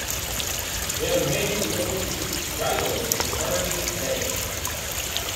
Their major local rival is Herne Bay.